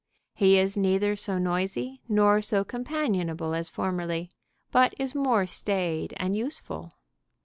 He is neither so noisy nor so companionable as formerly, but is more staid and useful.